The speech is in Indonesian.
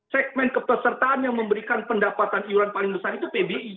segmen kepesertaan yang memberikan pendapatan iuran paling besar itu pbi